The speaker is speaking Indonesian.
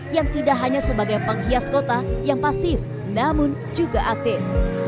yang tidak hanya sebagai penghias kota yang pasif namun juga aktif